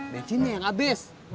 bensinnya yang abis